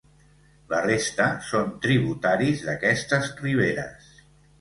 La resta són tributaris d'aquestes riberes.